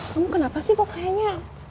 kamu kenapa sih kok kayaknya